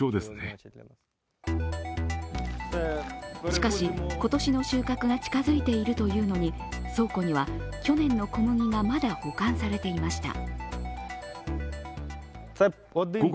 しかし、今年の収穫が近づいているというのに倉庫には去年の小麦がまだ保管されていました。